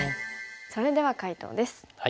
それでは解答です。